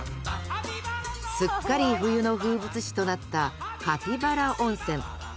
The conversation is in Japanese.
すっかり冬の風物詩となったカピバラ温泉。